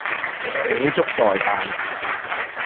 秉燭待旦